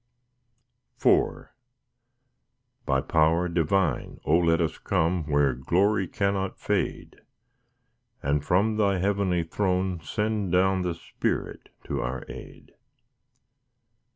IV By power divine, O let us come Where glory cannot fade; And from Thy heavenly throne send down The Spirit to our aid.